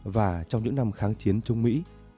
và trong những năm kháng chiến chống mỹ